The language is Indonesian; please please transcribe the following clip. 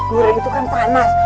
duren itu kan panas